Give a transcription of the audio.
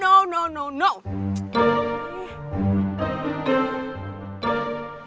gue yakin sih